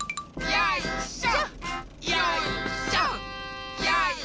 よいしょ！